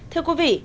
thưa quý vị